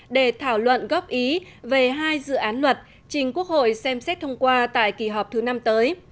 để thảo luận góp ý về hai dự án luật trình quốc hội xem xét thông qua tại kỳ họp thứ năm tới